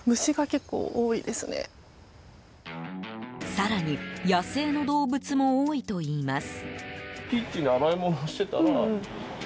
更に野生の動物も多いといいます。